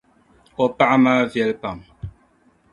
O paɣa maa viɛli pam.